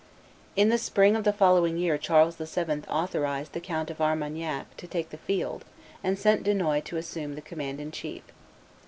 In the spring of the following year Charles VII. authorized the Count of Armagnac to take the field, and sent Dunois to assume the command in chief.